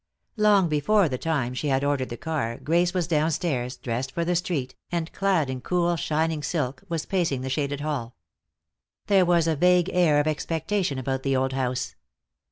Long before the time she had ordered the car Grace was downstairs, dressed for the street, and clad in cool shining silk, was pacing the shaded hall. There was a vague air of expectation about the old house.